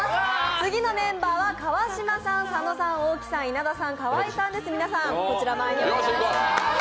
次のメンバーは川島さん、佐野さん大木さん、稲田さん、河井さんです。